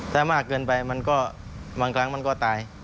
ถ้ามากเกินไปมันก็บางครั้งมันก็ตาย